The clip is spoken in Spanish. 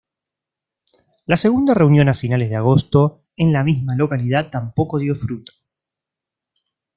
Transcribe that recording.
La segunda reunión a finales de agosto en la misma localidad tampoco dio fruto.